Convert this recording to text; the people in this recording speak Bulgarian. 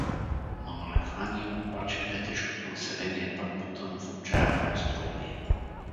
На мръквание обаче петришкото население пак потъна в отчаяно настроение.